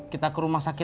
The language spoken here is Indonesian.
kita ke rumah sakit